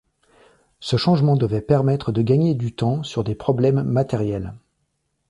Ce changement devait permettre de gagner du temps sur des problèmes matériels.